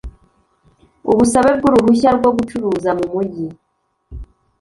Ubusabe bw ‘uruhushya rwo gucuruza mu mujyi